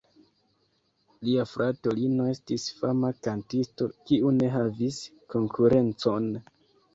Lia frato Lino estis fama kantisto, kiu ne havis konkurencon.